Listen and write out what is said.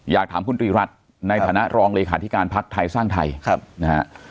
อยากถามคุณตรีรัฐในฐานะรองเลขาธิการพักไทยสร้างไทยนะฮะ